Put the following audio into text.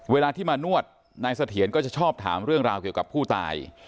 เวลาที่มานวดนายเสถียรก็จะชอบถามเรื่องราวเกี่ยวกับผู้ตาย